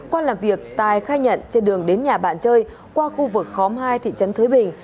qua làm việc tài khai nhận trên đường đến nhà bạn chơi qua khu vực khóm hai thị trấn thới bình